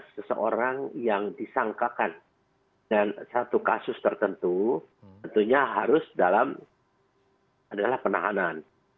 seseorang yang disangkakan dan satu kasus tertentu tentunya harus dalam adalah penahanan